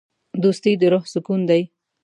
دوستي د روح سکون دی.